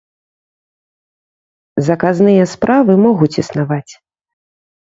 Заказныя справы могуць існаваць.